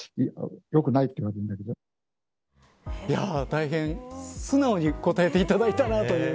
大変素直に答えていただいたなという。